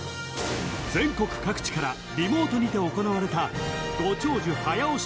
全国各地からリモートにて行われたご長寿早押し